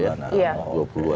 iya dua puluhan